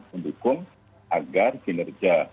mendukung agar kinerja